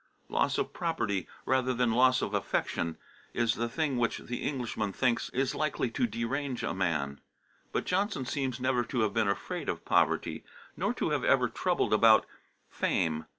Loss of property rather than loss of affection is the thing which the Englishman thinks is likely to derange a man. But Johnson seems never to have been afraid of poverty, nor to have ever troubled about fame.